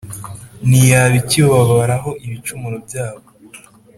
ntiyaba ikibabaraho ibicumuro byabo;